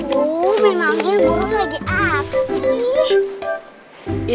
tuh memang ini guru lagi apa sih